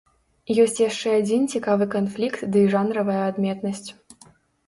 Ёсць яшчэ адзін цікавы канфлікт дый жанравая адметнасць.